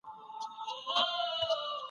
رسم کول ښه دي.